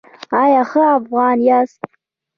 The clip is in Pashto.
ایا ښه افغان یاست؟